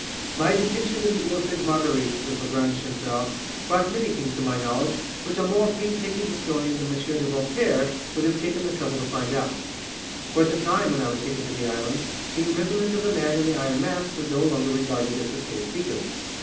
"My detention in the Iles Saint Marguerite," says Lagrange Chancel," brought many things to my knowledge which a more painstaking historian than M. de Voltaire would have taken the trouble to find out; for at the time when I was taken to the islands the imprisonment of the Man in the Iron Mask was no longer regarded as a state secret.